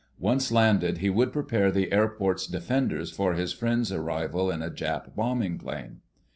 Once landed, he would prepare the airport's defenders for his friends' arrival in a Jap bombing plane.